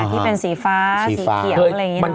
ที่เป็นสีฟ้าสีเขียวอะไรอย่างนี้นะ